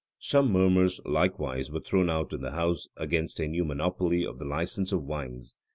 Some murmurs likewise were thrown out in the house against a new monopoly of the license of wines.